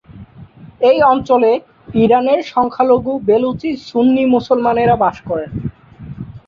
এই অঞ্চলে ইরানের সংখ্যালঘু বেলুচি সুন্নী মুসলমানেরা বাস করেন।